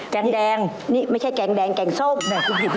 แกงแดงนี่ไม่ใช่แกงแดงแกงส้ม